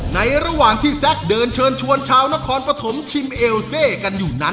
ในระหว่างที่แซคเดินเชิญชวนชาวนครปฐมชิมเอลเซกันอยู่นั้น